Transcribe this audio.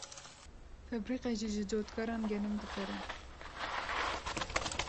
febrîqe jî ji cotkaran genim dikire.